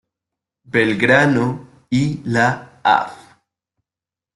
Belgrano y la Av.